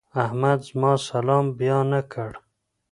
احمد زما سلام بيا نه کړ.